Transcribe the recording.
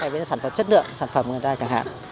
đến sản phẩm chất lượng sản phẩm người ta chẳng hạn